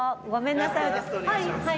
ごめんなさい。